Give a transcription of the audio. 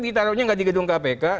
ditaruhnya nggak di gedung kpk